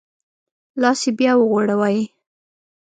لاس یې بیا وغوړوی.